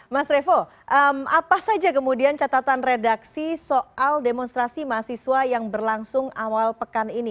mas revo apa saja kemudian catatan redaksi soal demonstrasi mahasiswa yang berlangsung awal pekan ini